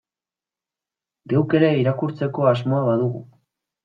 Geuk ere irakurtzeko asmoa badugu.